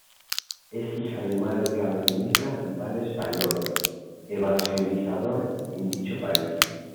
Es hija de madre camerunesa y padre español, evangelizador en dicho país.